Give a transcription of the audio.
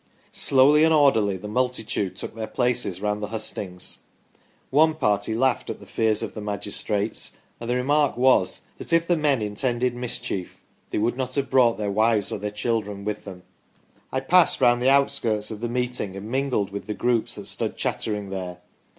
Slowly and orderly the multitude took their places round the hustings. Our party laughed at the fears of the magistrates, and the remark was that if the men intended mis chief they would not have brought their wives or their children with them. I passed round the outskirts of the meeting and mingled with the groups that stood chattering there.